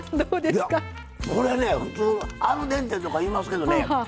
いやこれね普通アルデンテとか言いますけどね